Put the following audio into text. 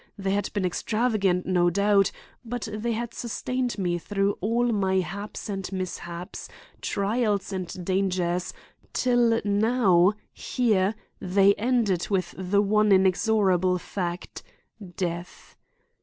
They had been extravagant, no doubt, but they had sustained me through all my haps and mishaps, trials and dangers, till now, here, they ended with the one inexorable fact death.